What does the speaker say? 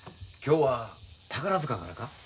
今日は宝塚からか？